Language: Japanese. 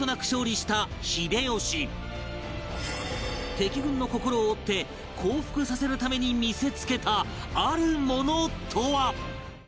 敵軍の心を折って降伏させるために見せ付けたあるものとは？